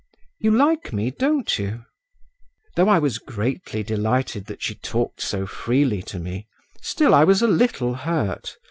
You like me, don't you?" Though I was greatly delighted that she talked so freely to me, still I was a little hurt.